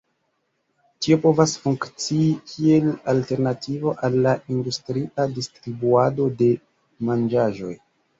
Tio povas funkcii kiel alternativo al la industria distribuado de manĝaĵoj.